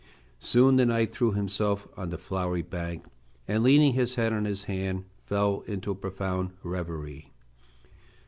Soon the knight threw himself on the flowery bank, and leaning his head on his hand fell into a profound reverie.